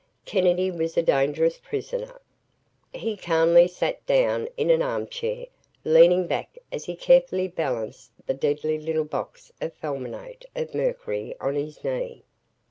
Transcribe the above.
Kennedy was a dangerous prisoner. He calmly sat down in an arm chair, leaning back as he carefully balanced the deadly little box of fulminate of mercury on his knee.